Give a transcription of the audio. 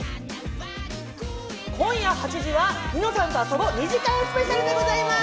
今夜８時『ニノさんとあそぼ』２時間スペシャルでございます。